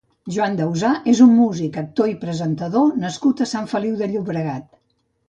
Joan Dausà és un músic, actor i presentador nascut a Sant Feliu de Llobregat.